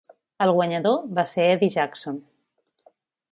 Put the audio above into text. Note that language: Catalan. El guanyador va ser Eddie Jackson.